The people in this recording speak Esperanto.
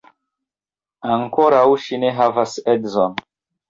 Ankoraŭ ŝi ne havas edzon.